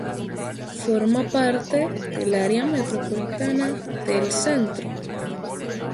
Forma parte del Área metropolitana de El Centro.